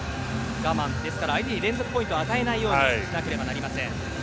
我慢、ですから相手に連続ポイントを与えないようにしないといけません。